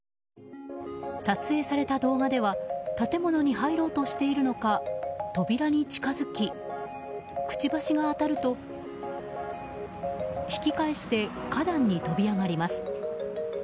撮影された動画では建物に入ろうとしているのか扉に近づき、くちばしが当たると引き返して花壇に飛び上がります。